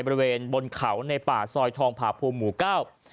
บริเวณบนเขาในป่าซอยทองผาภูมิหมู่เก้า